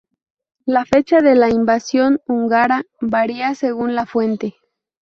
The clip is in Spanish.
La fecha de la invasión húngara varía según la fuente.